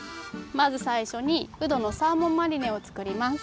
まずさいしょにうどのサーモンマリネをつくります。